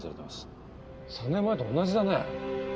３年前と同じだね。